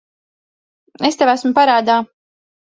Es tev esmu parādā.